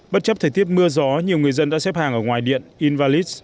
bất chấp thời tiết mưa gió nhiều người dân đã xếp hàng ở ngoài điện invalis